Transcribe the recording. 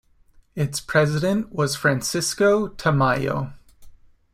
Its president was Francisco Tamayo.